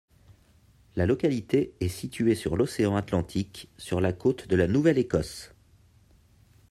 La localité est située sur l'océan Atlantique sur la côte de la Nouvelle-Écosse.